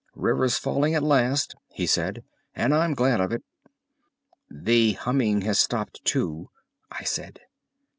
"River's falling at last," he said, "and I'm glad of it." "The humming has stopped too," I said.